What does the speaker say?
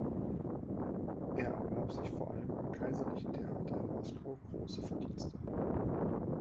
Er erwarb sich vor allem am "Kaiserlichen Theater in Moskau" große Verdienste.